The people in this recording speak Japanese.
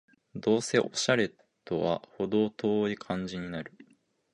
どうせオシャレとはほど遠い感じになる